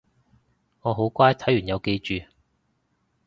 我好乖睇完有記住